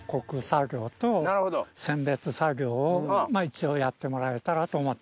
なるほど。を一応やってもらえたらと思ってます。